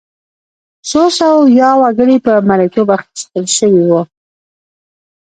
څو سوه ویا وګړي په مریتوب اخیستل شوي وو.